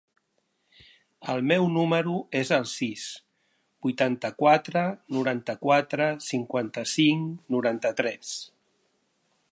El meu número es el sis, vuitanta-quatre, noranta-quatre, cinquanta-cinc, noranta-tres.